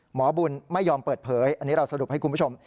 หมอบุญไม่ยอมเปิดเผยอันนี้เราสรุปให้คุณผู้ชม